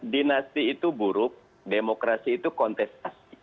dinasti itu buruk demokrasi itu kontestasi